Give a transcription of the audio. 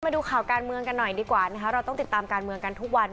มาดูข่าวการเมืองกันหน่อยดีกว่านะคะเราต้องติดตามการเมืองกันทุกวัน